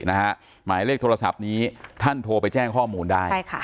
หมายเลขโทรศัพท์นี้ท่านโทรไปแจ้งข้อมูลได้